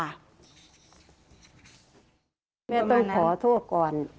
แม่ต้องขอโทษก่อน